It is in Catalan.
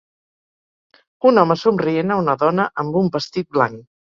Un home somrient a una dona amb un vestit blanc.